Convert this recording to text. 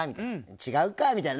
違うか！みたいな。